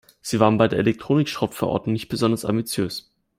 Sie waren bei der Elektronikschrottverordnung nicht besonders ambitiös.